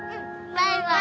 バイバイ！